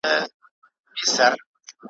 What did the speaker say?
هم له خپلو هم پردیو را جلا وه ,